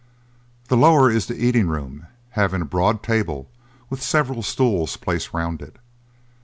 The lower is the eating room, having a broad table with several stools placed round it.